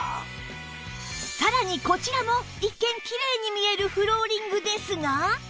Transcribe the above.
さらにこちらも一見きれいに見えるフローリングですが